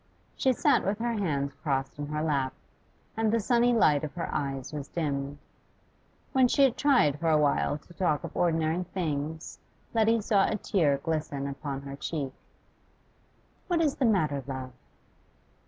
She sat with her hands crossed on her lap, and the sunny light of her eyes was dimmed. When she had tried for a while to talk of ordinary things, Letty saw a tear glisten upon her cheek. 'What is the matter, love?